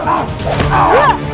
tidak ada yang bisa mengangkat itu